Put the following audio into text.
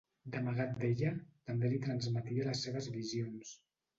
D'amagat d'ella, també li transmetia les seves visions.